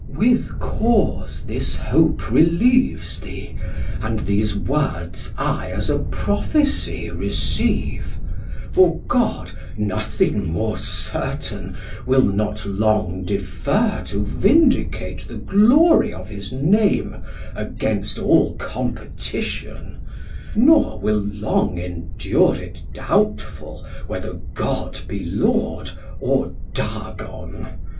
Man: With cause this hope relieves thee, and these words I as a Prophecy receive: for God, Nothing more certain, will not long defer To vindicate the glory of his name Against all competition, nor will long Endure it, doubtful whether God be Lord, Or Dagon.